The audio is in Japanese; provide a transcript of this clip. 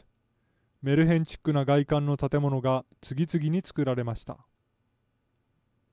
メルヘンチックな外観の建物が次々に作られました。